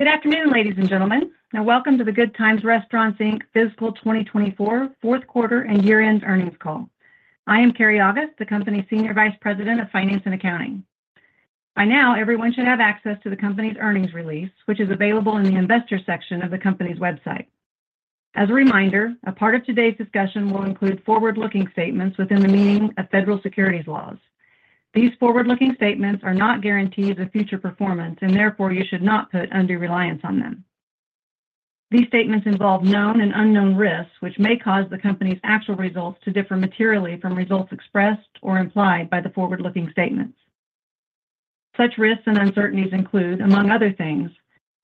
Good afternoon, ladies and gentlemen, and welcome to the Good Times Restaurants Inc. fiscal 2024 fourth quarter and year-end earnings call. I am Keri August, the company's Senior Vice President of Finance and Accounting. By now, everyone should have access to the company's earnings release, which is available in the investor section of the company's website. As a reminder, a part of today's discussion will include forward-looking statements within the meaning of federal securities laws. These forward-looking statements are not guarantees of future performance, and therefore you should not put undue reliance on them. These statements involve known and unknown risks, which may cause the company's actual results to differ materially from results expressed or implied by the forward-looking statements. Such risks and uncertainties include, among other things,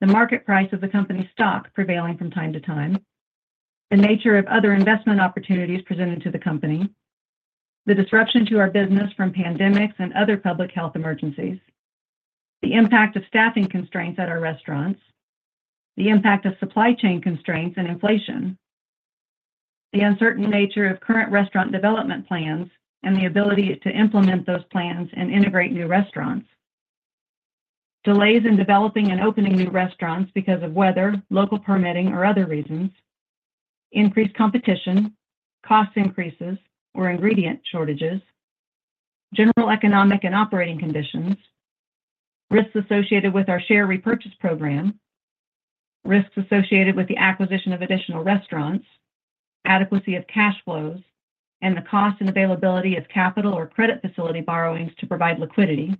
the market price of the company's stock prevailing from time to time, the nature of other investment opportunities presented to the company, the disruption to our business from pandemics and other public health emergencies, the impact of staffing constraints at our restaurants, the impact of supply chain constraints and inflation, the uncertain nature of current restaurant development plans and the ability to implement those plans and integrate new restaurants, delays in developing and opening new restaurants because of weather, local permitting, or other reasons, increased competition, cost increases or ingredient shortages, general economic and operating conditions, risks associated with our share repurchase program, risks associated with the acquisition of additional restaurants, adequacy of cash flows, and the cost and availability of capital or credit facility borrowings to provide liquidity,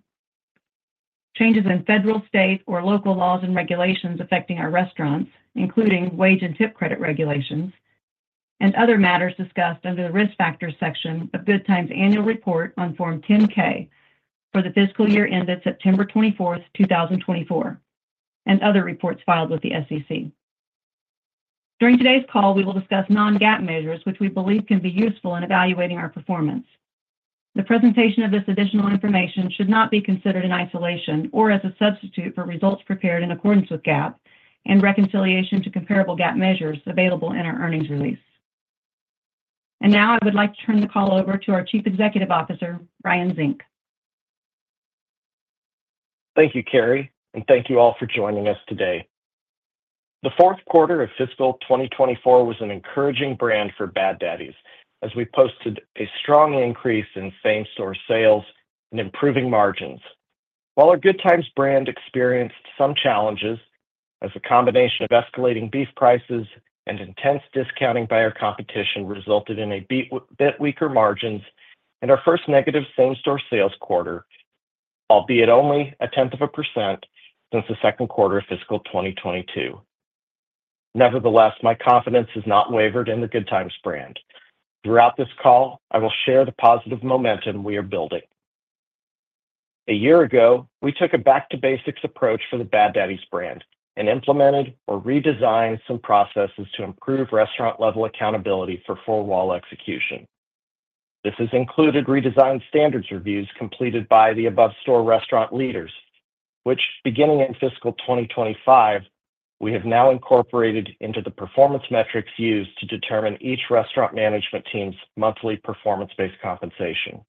changes in federal, state, or local laws and regulations affecting our restaurants, including wage and tip credit regulations, and other matters discussed under the risk factors section of Good Times' annual report on Form 10-K for the fiscal year ended September 24th, 2024, and other reports filed with the SEC. During today's call, we will discuss non-GAAP measures, which we believe can be useful in evaluating our performance. The presentation of this additional information should not be considered in isolation or as a substitute for results prepared in accordance with GAAP and reconciliation to comparable GAAP measures available in our earnings release, and now I would like to turn the call over to our Chief Executive Officer, Ryan Zink. Thank you, Keri, and thank you all for joining us today. The fourth quarter of fiscal 2024 was an encouraging brand for Bad Daddy's as we posted a strong increase in same-store sales and improving margins. While our Good Times brand experienced some challenges as a combination of escalating beef prices and intense discounting by our competition resulted in a bit weaker margins and our first negative same-store sales quarter, albeit only 0.1% since the second quarter of fiscal 2022. Nevertheless, my confidence has not wavered in the Good Times brand. Throughout this call, I will share the positive momentum we are building. A year ago, we took a back-to-basics approach for the Bad Daddy's brand and implemented or redesigned some processes to improve restaurant-level accountability for four-wall execution. This has included redesigned standards reviews completed by the above-store restaurant leaders, which, beginning in fiscal 2025, we have now incorporated into the performance metrics used to determine each restaurant management team's monthly performance-based compensation.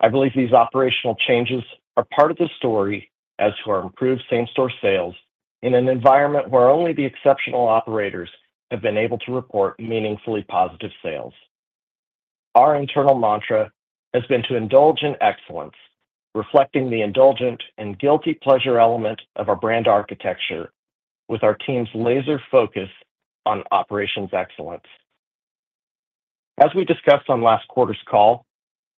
I believe these operational changes are part of the story as to our improved same-store sales in an environment where only the exceptional operators have been able to report meaningfully positive sales. Our internal mantra has been to indulge in excellence, reflecting the indulgent and guilty pleasure element of our brand architecture with our team's laser focus on operations excellence. As we discussed on last quarter's call,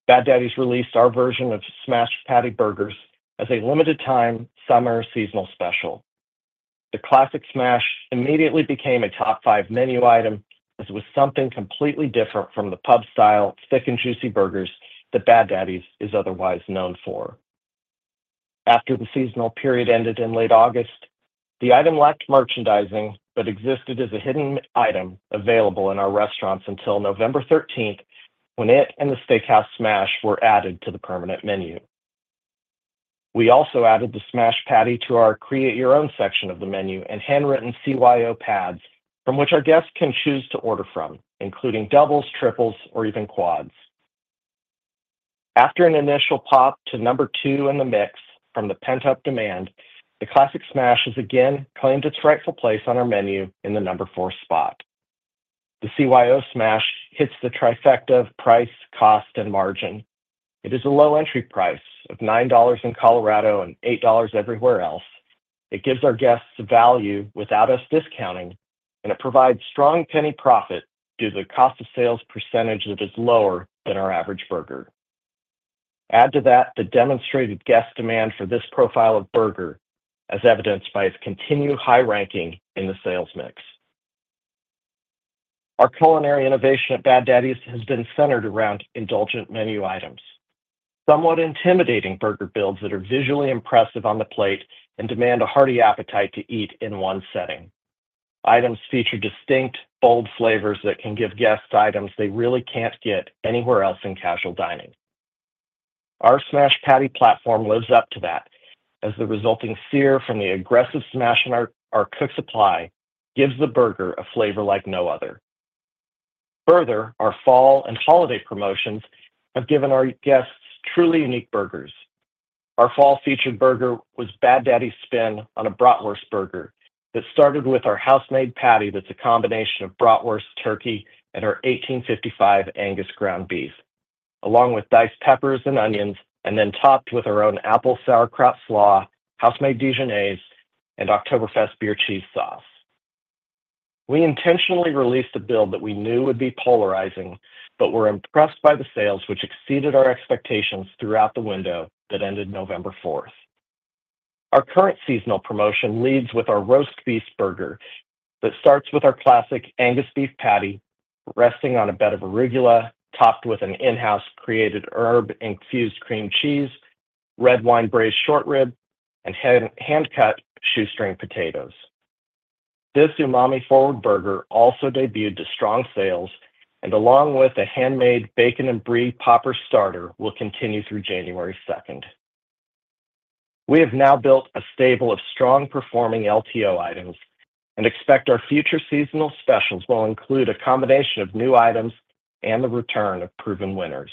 Bad Daddy's released our version of Smash Patty burgers as a limited-time summer seasonal special. The Classic Smash immediately became a top five menu item as it was something completely different from the pub-style thick and juicy burgers that Bad Daddy's is otherwise known for. After the seasonal period ended in late August, the item lacked merchandising but existed as a hidden item available in our restaurants until November 13th when it and the Steakhouse Smash were added to the permanent menu. We also added the smashed patty to our create-your-own section of the menu and handwritten CYO pads from which our guests can choose to order from, including doubles, triples, or even quads. After an initial pop to number two in the mix from the pent-up demand, the Classic Smash has again claimed its rightful place on our menu in the number four spot. The CYO Smash hits the trifecta of price, cost, and margin. It is a low entry price of $9 in Colorado and $8 everywhere else. It gives our guests value without us discounting, and it provides strong penny profit due to the cost of sales percentage that is lower than our average burger. Add to that the demonstrated guest demand for this profile of burger, as evidenced by its continued high ranking in the sales mix. Our culinary innovation at Bad Daddy's has been centered around indulgent menu items, somewhat intimidating burger builds that are visually impressive on the plate and demand a hearty appetite to eat in one setting. Items feature distinct, bold flavors that can give guests items they really can't get anywhere else in casual dining. Our smashed patty platform lives up to that as the resulting sear from the aggressive smash that our cooks apply gives the burger a flavor like no other. Further, our fall and holiday promotions have given our guests truly unique burgers. Our fall featured burger was Bad Daddy's' spin on a Bratwurst Burger that started with our house-made patty that's a combination of bratwurst, turkey, and our 1855 Angus ground beef, along with diced peppers and onions, and then topped with our own apple sauerkraut slaw, house-made dijonnaise, and Oktoberfest beer cheese sauce. We intentionally released a build that we knew would be polarizing, but were impressed by the sales, which exceeded our expectations throughout the window that ended November 4th. Our current seasonal promotion leads with our Roast Beef Burger that starts with our classic Angus beef patty resting on a bed of arugula, topped with an in-house created herb-infused cream cheese, red wine braised short rib, and hand-cut shoestring potatoes. This umami-forward burger also debuted to strong sales, and along with a handmade Bacon and Brie Popper starter, will continue through January 2nd. We have now built a stable of strong-performing LTO items and expect our future seasonal specials will include a combination of new items and the return of proven winners.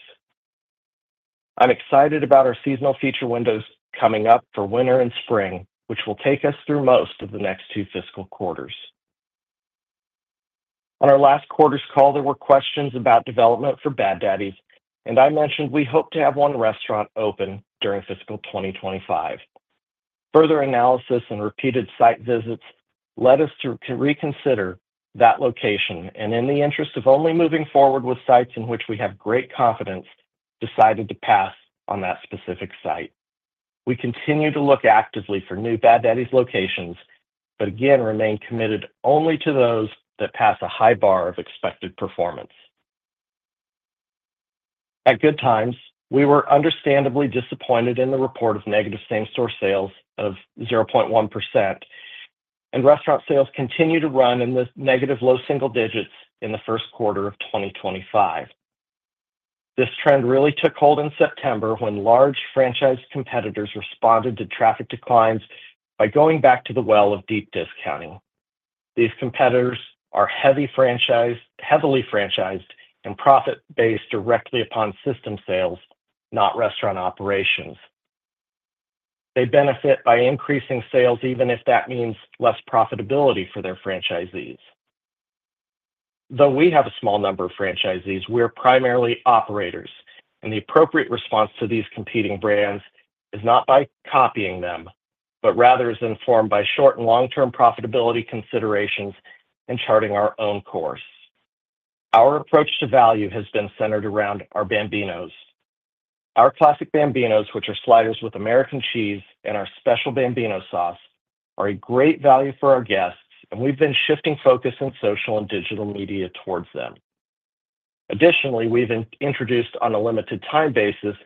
I'm excited about our seasonal feature windows coming up for winter and spring, which will take us through most of the next two fiscal quarters. On our last quarter's call, there were questions about development for Bad Daddy's, and I mentioned we hope to have one restaurant open during fiscal 2025. Further analysis and repeated site visits led us to reconsider that location, and in the interest of only moving forward with sites in which we have great confidence, decided to pass on that specific site. We continue to look actively for new Bad Daddy's locations, but again remain committed only to those that pass a high bar of expected performance. At Good Times, we were understandably disappointed in the report of negative same-store sales of 0.1%, and restaurant sales continue to run in the negative low single digits in the first quarter of 2025. This trend really took hold in September when large franchise competitors responded to traffic declines by going back to the well of deep discounting. These competitors are heavily franchised and profit-based directly upon system sales, not restaurant operations. They benefit by increasing sales even if that means less profitability for their franchisees. Though we have a small number of franchisees, we are primarily operators, and the appropriate response to these competing brands is not by copying them, but rather is informed by short and long-term profitability considerations and charting our own course. Our approach to value has been centered around our Bambinos. Our classic Bambinos, which are sliders with American cheese and our special Bambino sauce, are a great value for our guests, and we've been shifting focus in social and digital media towards them. Additionally, we've introduced on a limited-time basis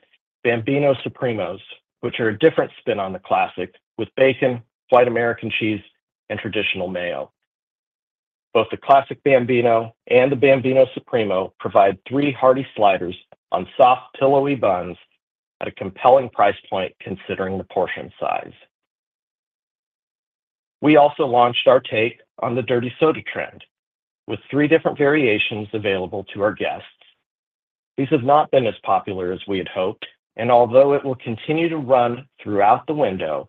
Bambino Supremos, which are a different spin on the classic with bacon, white American cheese, and traditional mayo. Both the classic Bambino and the Bambino Supremo provide three hearty sliders on soft pillowy buns at a compelling price point considering the portion size. We also launched our take on the Dirty Soda trend with three different variations available to our guests. These have not been as popular as we had hoped, and although it will continue to run throughout the window,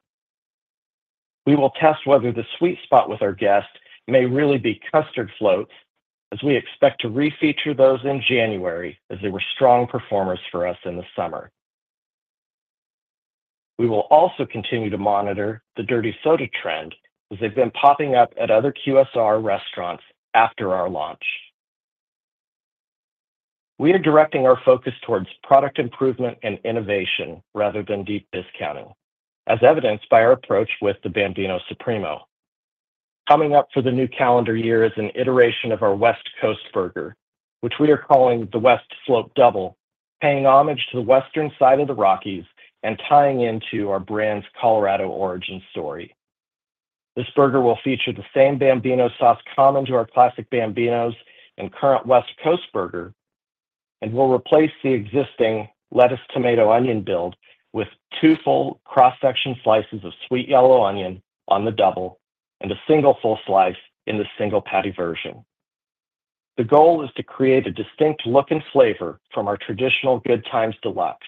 we will test whether the sweet spot with our guests may really be custard floats, as we expect to re-feature those in January as they were strong performers for us in the summer. We will also continue to monitor the Dirty Soda trend as they've been popping up at other QSR restaurants after our launch. We are directing our focus towards product improvement and innovation rather than deep discounting, as evidenced by our approach with the Bambino Supremo. Coming up for the new calendar year is an iteration of our West Coast Burger, which we are calling the West Slope Double, paying homage to the western side of the Rockies and tying into our brand's Colorado origin story. This burger will feature the same Bambino sauce common to our classic Bambinos and current West Coast Burger, and will replace the existing lettuce tomato onion build with two full cross-section slices of sweet yellow onion on the double and a single full slice in the single patty version. The goal is to create a distinct look and flavor from our traditional Good Times Deluxe,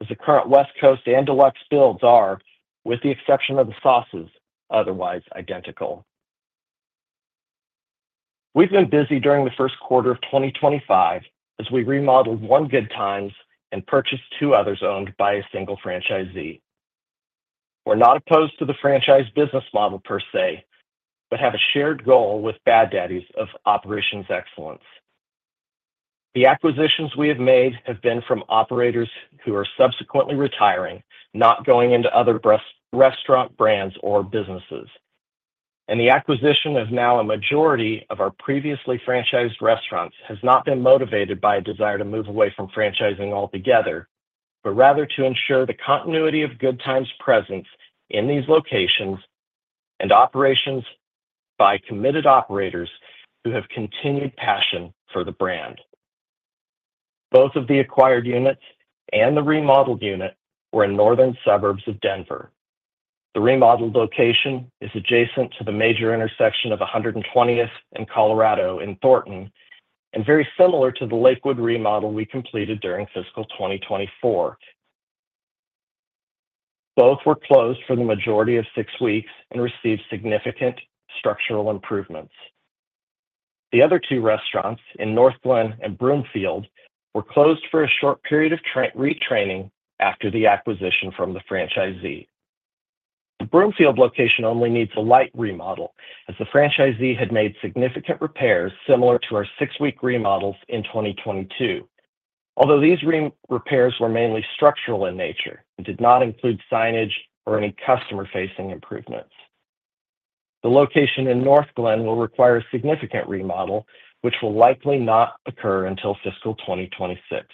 as the current West Coast and Deluxe builds are, with the exception of the sauces otherwise identical. We've been busy during the first quarter of 2025 as we remodeled one Good Times and purchased two others owned by a single franchisee. We're not opposed to the franchise business model per se, but have a shared goal with Bad Daddy's of operations excellence. The acquisitions we have made have been from operators who are subsequently retiring, not going into other restaurant brands or businesses. The acquisition of now a majority of our previously franchised restaurants has not been motivated by a desire to move away from franchising altogether, but rather to ensure the continuity of Good Times presence in these locations and operations by committed operators who have continued passion for the brand. Both of the acquired units and the remodeled unit were in northern suburbs of Denver. The remodeled location is adjacent to the major intersection of 120th and Colorado in Thornton and very similar to the Lakewood remodel we completed during fiscal 2024. Both were closed for the majority of six weeks and received significant structural improvements. The other two restaurants in Northglenn and Broomfield were closed for a short period of retraining after the acquisition from the franchisee. The Broomfield location only needs a light remodel, as the franchisee had made significant repairs similar to our six-week remodels in 2022, although these repairs were mainly structural in nature and did not include signage or any customer-facing improvements. The location in Northglenn will require a significant remodel, which will likely not occur until fiscal 2026.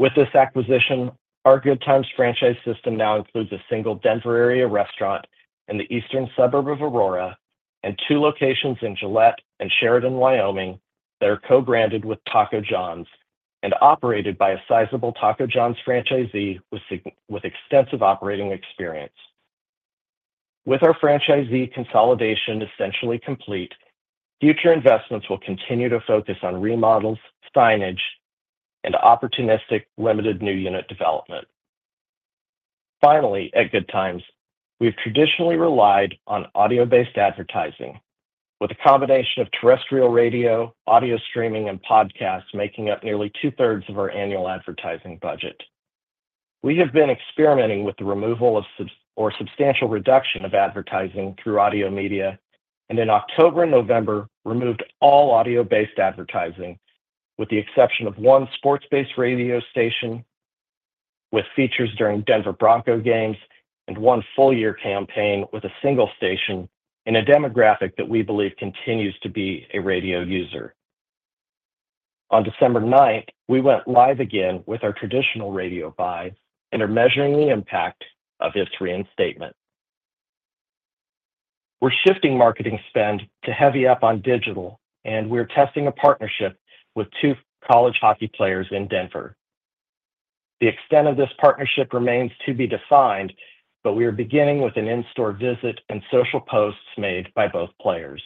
With this acquisition, our Good Times franchise system now includes a single Denver area restaurant in the eastern suburb of Aurora and two locations in Gillette and Sheridan, Wyoming, that are co-branded with Taco John's and operated by a sizable Taco John's franchisee with extensive operating experience. With our franchisee consolidation essentially complete, future investments will continue to focus on remodels, signage, and opportunistic limited new unit development. Finally, at Good Times, we've traditionally relied on audio-based advertising, with a combination of terrestrial radio, audio streaming, and podcasts making up nearly two-thirds of our annual advertising budget. We have been experimenting with the removal or substantial reduction of advertising through audio media, and in October and November, removed all audio-based advertising with the exception of one sports-based radio station with features during Denver Broncos games and one full-year campaign with a single station in a demographic that we believe continues to be a radio user. On December 9, we went live again with our traditional radio buys and are measuring the impact of its reinstatement. We're shifting marketing spend to heavy up on digital, and we're testing a partnership with two college hockey players in Denver. The extent of this partnership remains to be defined, but we are beginning with an in-store visit and social posts made by both players.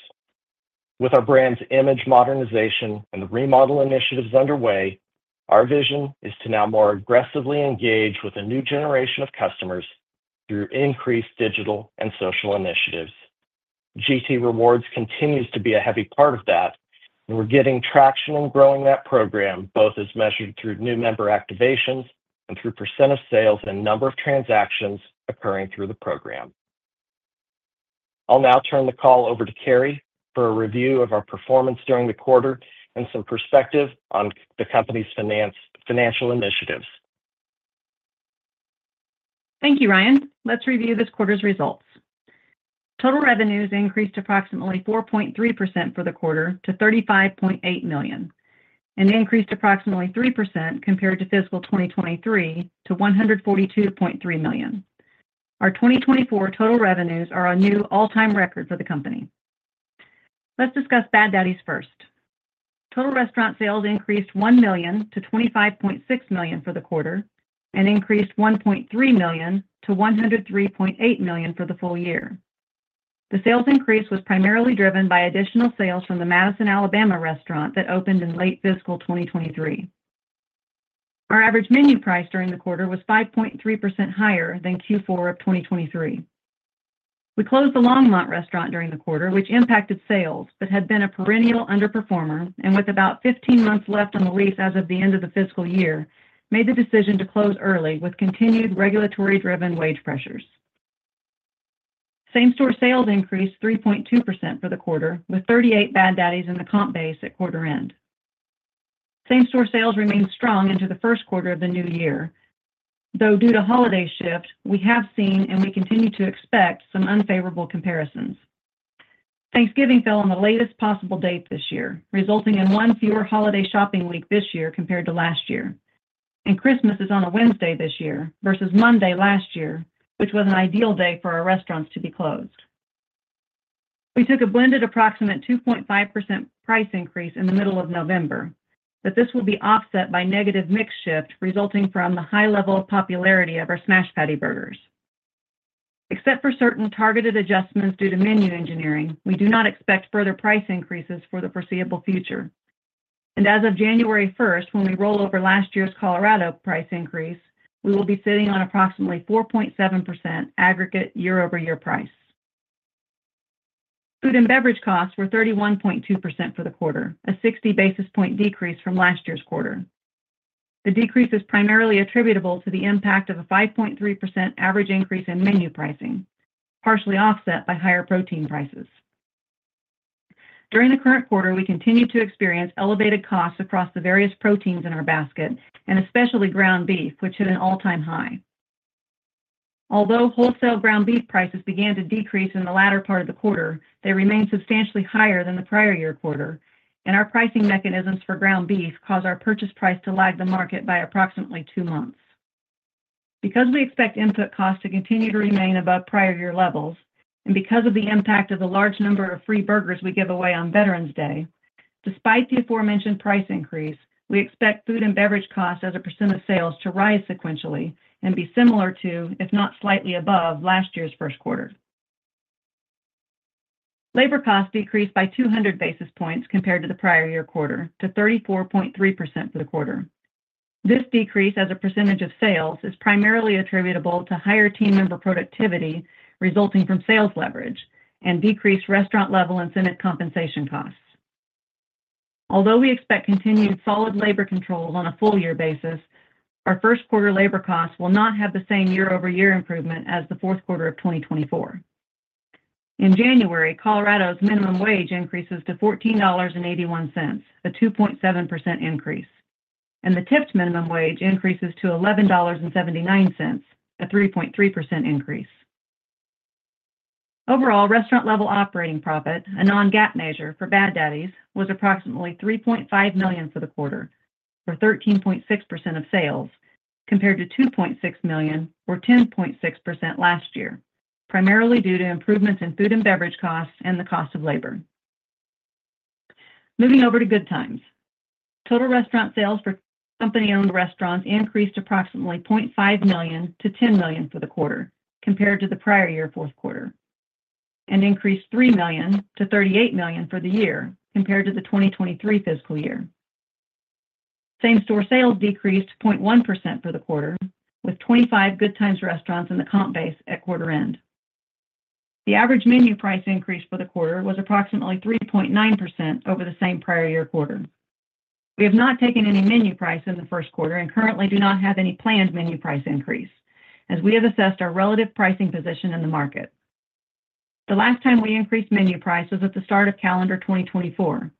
With our brand's image modernization and the remodel initiatives underway, our vision is to now more aggressively engage with a new generation of customers through increased digital and social initiatives. GT Rewards continues to be a heavy part of that, and we're getting traction and growing that program, both as measured through new member activations and through percent of sales and number of transactions occurring through the program. I'll now turn the call over to Keri for a review of our performance during the quarter and some perspective on the company's financial initiatives. Thank you, Ryan. Let's review this quarter's results. Total revenues increased approximately 4.3% for the quarter to $35.8 million, and increased approximately 3% compared to fiscal 2023 to $142.3 million. Our 2024 total revenues are a new all-time record for the company. Let's discuss Bad Daddy's first. Total restaurant sales increased $1 million to $25.6 million for the quarter and increased $1.3 million-$103.8 million for the full year. The sales increase was primarily driven by additional sales from the Madison, Alabama restaurant that opened in late fiscal 2023. Our average menu price during the quarter was 5.3% higher than Q4 of 2023. We closed the Longmont restaurant during the quarter, which impacted sales but had been a perennial underperformer, and with about 15 months left on the lease as of the end of the fiscal year, made the decision to close early with continued regulatory-driven wage pressures. Same-store sales increased 3.2% for the quarter, with 38 Bad Daddy's in the comp base at quarter end. Same-store sales remained strong into the first quarter of the new year, though due to holiday shift, we have seen and we continue to expect some unfavorable comparisons. Thanksgiving fell on the latest possible date this year, resulting in one fewer holiday shopping week this year compared to last year, and Christmas is on a Wednesday this year versus Monday last year, which was an ideal day for our restaurants to be closed. We took a blended approximate 2.5% price increase in the middle of November, but this will be offset by negative mix shift resulting from the high level of popularity of our smash patty burgers. Except for certain targeted adjustments due to menu engineering, we do not expect further price increases for the foreseeable future. As of January 1, when we roll over last year's Colorado price increase, we will be sitting on approximately 4.7% aggregate year-over-year price. Food and beverage costs were 31.2% for the quarter, a 60 basis point decrease from last year's quarter. The decrease is primarily attributable to the impact of a 5.3% average increase in menu pricing, partially offset by higher protein prices. During the current quarter, we continue to experience elevated costs across the various proteins in our basket, and especially ground beef, which hit an all-time high. Although wholesale ground beef prices began to decrease in the latter part of the quarter, they remain substantially higher than the prior year quarter, and our pricing mechanisms for ground beef cause our purchase price to lag the market by approximately two months. Because we expect input costs to continue to remain above prior year levels, and because of the impact of the large number of free burgers we give away on Veterans Day, despite the aforementioned price increase, we expect food and beverage costs as a percent of sales to rise sequentially and be similar to, if not slightly above, last year's first quarter. Labor costs decreased by 200 basis points compared to the prior year quarter to 34.3% for the quarter. This decrease as a percentage of sales is primarily attributable to higher team member productivity resulting from sales leverage and decreased restaurant-level incentive compensation costs. Although we expect continued solid labor controls on a full-year basis, our first quarter labor costs will not have the same year-over-year improvement as the fourth quarter of 2024. In January, Colorado's minimum wage increases to $14.81, a 2.7% increase, and the tipped minimum wage increases to $11.79, a 3.3% increase. Overall, restaurant-level operating profit, a non-GAAP measure for Bad Daddy's, was approximately $3.5 million for the quarter, or 13.6% of sales, compared to $2.6 million, or 10.6% last year, primarily due to improvements in food and beverage costs and the cost of labor. Moving over to Good Times. Total restaurant sales for company-owned restaurants increased approximately $0.5 million-$10 million for the quarter compared to the prior year fourth quarter, and increased $3 million-$38 million for the year compared to the 2023 fiscal year. Same-store sales decreased 0.1% for the quarter, with 25 Good Times Restaurants in the comp base at quarter end. The average menu price increase for the quarter was approximately 3.9% over the same prior year quarter. We have not taken any menu price in the first quarter and currently do not have any planned menu price increase, as we have assessed our relative pricing position in the market. The last time we increased menu price was at the start of calendar 2024,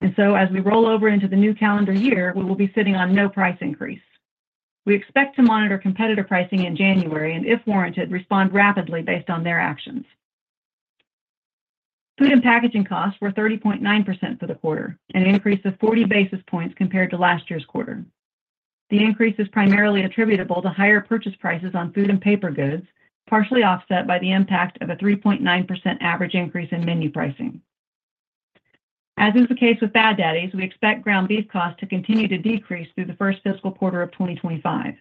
and so as we roll over into the new calendar year, we will be sitting on no price increase. We expect to monitor competitor pricing in January and, if warranted, respond rapidly based on their actions. Food and packaging costs were 30.9% for the quarter and increased to 40 basis points compared to last year's quarter. The increase is primarily attributable to higher purchase prices on food and paper goods, partially offset by the impact of a 3.9% average increase in menu pricing. As is the case with Bad Daddy's, we expect ground beef costs to continue to decrease through the first fiscal quarter of 2025.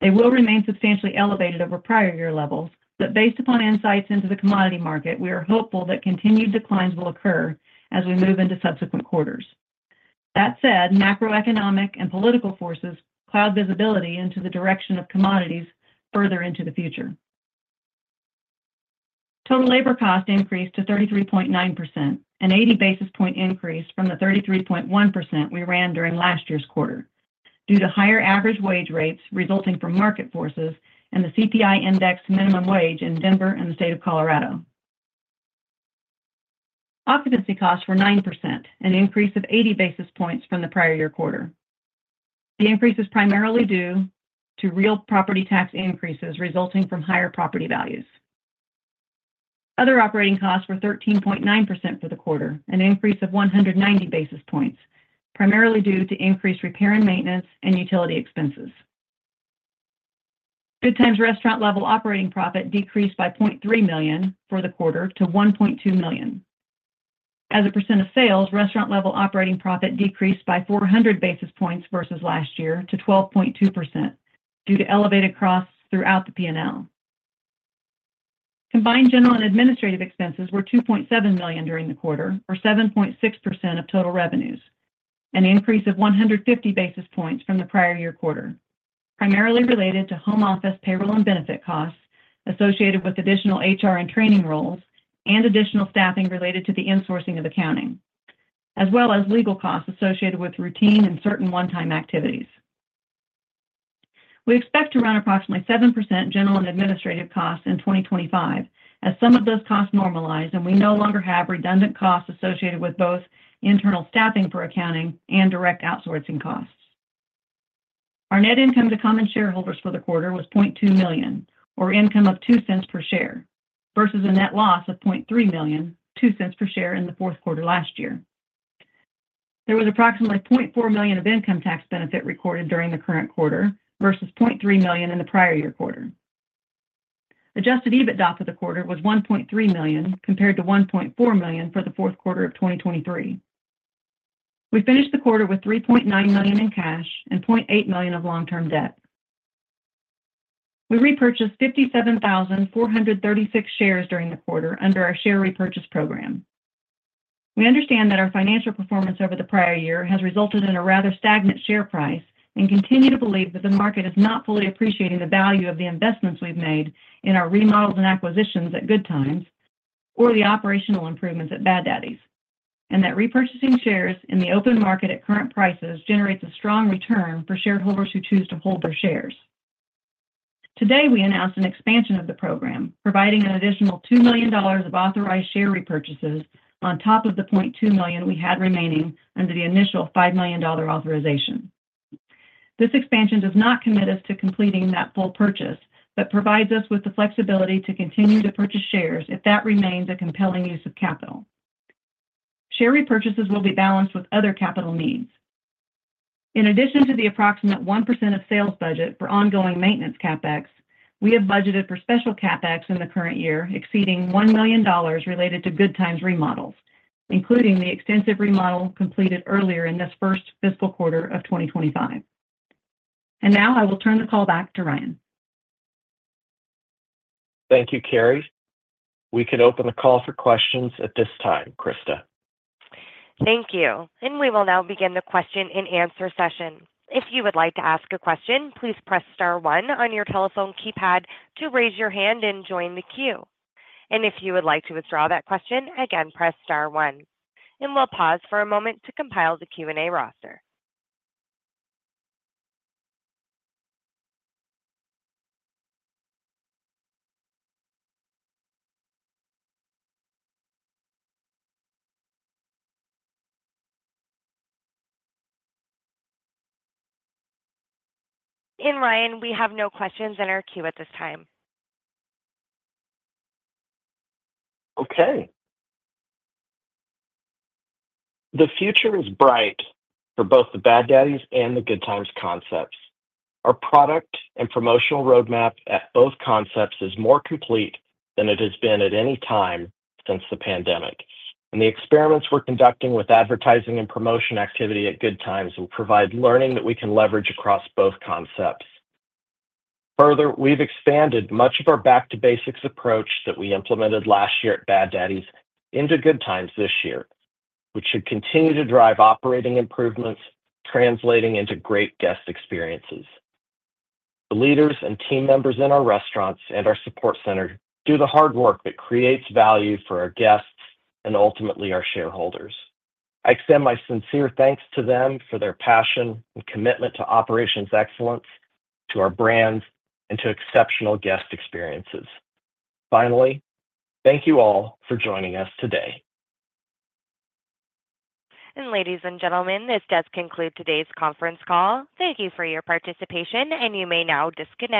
They will remain substantially elevated over prior year levels, but based upon insights into the commodity market, we are hopeful that continued declines will occur as we move into subsequent quarters. That said, macroeconomic and political forces cloud visibility into the direction of commodities further into the future. Total labor costs increased to 33.9%, an 80 basis point increase from the 33.1% we ran during last year's quarter, due to higher average wage rates resulting from market forces and the CPI index minimum wage in Denver and the state of Colorado. Occupancy costs were 9%, an increase of 80 basis points from the prior year quarter. The increase is primarily due to real property tax increases resulting from higher property values. Other operating costs were 13.9% for the quarter, an increase of 190 basis points, primarily due to increased repair and maintenance and utility expenses. Good Times Restaurant-level operating profit decreased by $0.3 million for the quarter to $1.2 million. As a percent of sales, restaurant-level operating profit decreased by 400 basis points versus last year to 12.2% due to elevated costs throughout the P&L. Combined general and administrative expenses were $2.7 million during the quarter, or 7.6% of total revenues, an increase of 150 basis points from the prior year quarter, primarily related to home office payroll and benefit costs associated with additional HR and training roles and additional staffing related to the insourcing of accounting, as well as legal costs associated with routine and certain one-time activities. We expect to run approximately 7% general and administrative costs in 2025, as some of those costs normalize and we no longer have redundant costs associated with both internal staffing for accounting and direct outsourcing costs. Our net income to common shareholders for the quarter was $0.2 million, or income of $0.02 per share, versus a net loss of $0.3 million, $0.02 per share in the fourth quarter last year. There was approximately $0.4 million of income tax benefit recorded during the current quarter versus $0.3 million in the prior year quarter. Adjusted EBITDA for the quarter was $1.3 million compared to $1.4 million for the fourth quarter of 2023. We finished the quarter with $3.9 million in cash and $0.8 million of long-term debt. We repurchased 57,436 shares during the quarter under our share repurchase program. We understand that our financial performance over the prior year has resulted in a rather stagnant share price and continue to believe that the market is not fully appreciating the value of the investments we've made in our remodels and acquisitions at Good Times or the operational improvements at Bad Daddy's, and that repurchasing shares in the open market at current prices generates a strong return for shareholders who choose to hold their shares. Today, we announced an expansion of the program, providing an additional $2 million of authorized share repurchases on top of the 0.2 million we had remaining under the initial $5 million authorization. This expansion does not commit us to completing that full purchase, but provides us with the flexibility to continue to purchase shares if that remains a compelling use of capital. Share repurchases will be balanced with other capital needs. In addition to the approximate 1% of sales budget for ongoing maintenance CapEx, we have budgeted for special CapEx in the current year exceeding $1 million related to Good Times remodels, including the extensive remodel completed earlier in this first fiscal quarter of 2025. And now I will turn the call back to Ryan. Thank you, Keri. We can open the call for questions at this time, Krista. Thank you. And we will now begin the question and answer session. If you would like to ask a question, please press star one on your telephone keypad to raise your hand and join the queue. And if you would like to withdraw that question, again, press star one. And we'll pause for a moment to compile the Q&A roster. And Ryan, we have no questions in our queue at this time. Okay. The future is bright for both the Bad Daddy's and the Good Times concepts. Our product and promotional roadmap at both concepts is more complete than it has been at any time since the pandemic, and the experiments we're conducting with advertising and promotion activity at Good Times will provide learning that we can leverage across both concepts. Further, we've expanded much of our back-to-basics approach that we implemented last year at Bad Daddy's into Good Times this year, which should continue to drive operating improvements, translating into great guest experiences. The leaders and team members in our restaurants and our support center do the hard work that creates value for our guests and ultimately our shareholders. I extend my sincere thanks to them for their passion and commitment to operations excellence, to our brand, and to exceptional guest experiences. Finally, thank you all for joining us today. Ladies and gentlemen, this does conclude today's conference call. Thank you for your participation, and you may now disconnect.